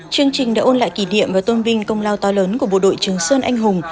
chương trình đã ôn lại kỷ niệm và tôn vinh công lao to lớn của bộ đội trường sơn anh hùng